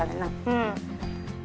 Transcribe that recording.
うん。